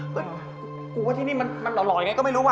กูกลัวที่นี่มันลอยไม่รู้ว่ะ